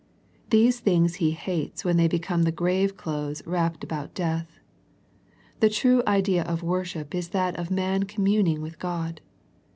These things He hates when they become the grave clothes wrapped about death. The true ideal of worship is that of man communing with God.